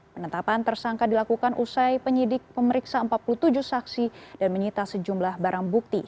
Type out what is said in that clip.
penetapan tersangka dilakukan usai penyidik pemeriksa empat puluh tujuh saksi dan menyita sejumlah barang bukti